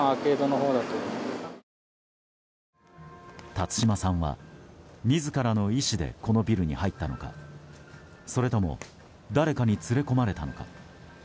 辰島さんは、自らの意思でこのビルに入ったのかそれとも誰かに連れ込まれたのか。